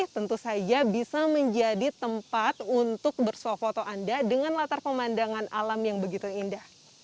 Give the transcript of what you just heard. tentu saja bisa menjadi tempat untuk bersuah foto anda dengan latar pemandangan alam yang begitu indah